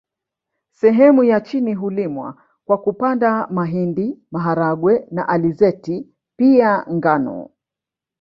Sehemu ya chini hulimwa kwa kupanda mahindi maharagwe na alizeti pia ngano